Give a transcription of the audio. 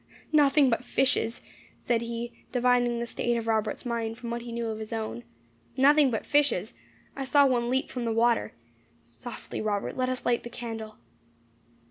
"Nothing but fishes!" said he, divining the state of Robert's mind from what he knew of his own. "Nothing but fishes! I saw one leap from the water. Softly, Robert, let us light the candle."